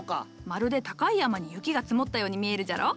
まるで高い山に雪が積もったように見えるじゃろ？